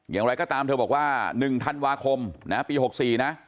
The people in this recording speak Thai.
อย่างไรก็ตามเธอบอกว่า๑ธันวาคมนะปี๖๔นะ